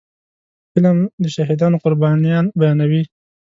فلم د شهیدانو قربانيان بیانوي